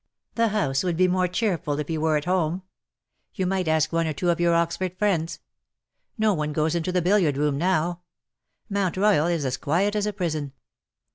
The house would be more cheerful if you were at home. You might ask one or two of your Oxford friends. No one goes into the billiard room now. Mount Royal is as quiet as a prison.